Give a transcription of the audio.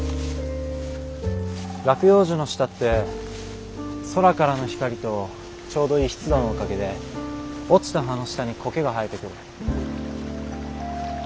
落葉樹の下って空からの光とちょうどいい湿度のおかげで落ちた葉の下に苔が生えてくる。